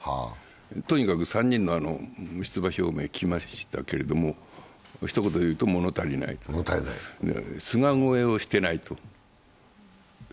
とにかく３人の出馬表明を聞きましたけど、ひと言で言うと物足りない、菅超えをしていない。